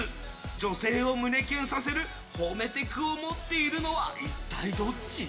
女性を胸キュンさせる褒めテクを持っているのは一体どっち？